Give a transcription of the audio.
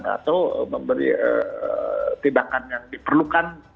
atau memberi tindakan yang diperlukan